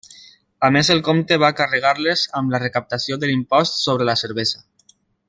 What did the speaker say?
A més el comte va carregar-les amb la recaptació de l'impost sobre la cervesa.